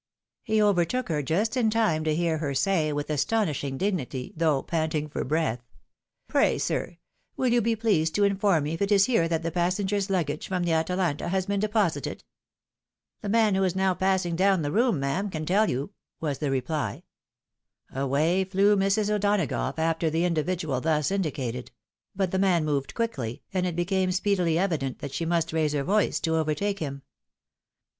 He overtook her just in time to hear her say, with astonishing dignity, though panting for breath, " Pray, sir, wiU you be pleased to inform me if it is here that the passengers' luggage from the Atalanta has been de posited ?"" The man who is now passing down the room, ma'am, can tell you," was the reply. ,V^ '^'Ca A QUESTION OF LAW. 69 Away flew Mrs. O'Donagougli after the individual thus in dicated ; but the man moved quickly, and it became speedily evident that she must raise her voice to overtake him.